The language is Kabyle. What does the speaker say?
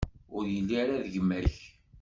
Ur yelli ara d gma-k.